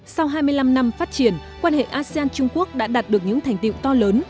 sau hai mươi năm năm phát triển quan hệ asean trung quốc đã đạt được những thành tiệu to lớn